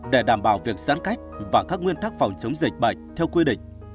để đảm bảo việc giãn cách và các nguyên tắc phòng chống dịch bệnh theo quy định